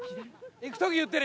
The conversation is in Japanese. いく時言ってね。